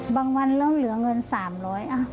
วันเริ่มเหลือเงิน๓๐๐บาท